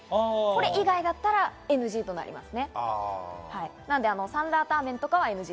これ以外だったらＮＧとなります。